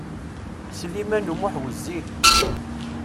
Sliman U Muḥ wezzil.